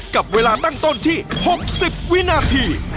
กับเวลาตั้งต้นที่๖๐วินาที